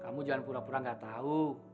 kamu jangan pura pura gak tahu